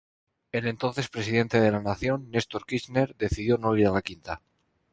El entonces Presidente de la Nación, Nestor Kirchner, decidió no ir a la quinta.